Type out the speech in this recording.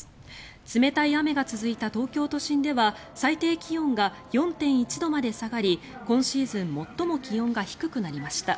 冷たい雨が続いた東京都心では最低気温が４．１度まで下がり今シーズン最も気温が低くなりました。